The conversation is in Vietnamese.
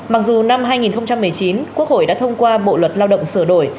mặc dù năm hai nghìn một mươi chín quốc hội đã thông qua bộ luật lao động sửa đổi